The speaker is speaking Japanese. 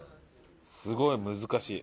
すごい難しい。